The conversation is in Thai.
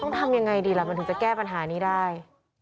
ทำยังไงดีล่ะมันถึงจะแก้ปัญหานี้ได้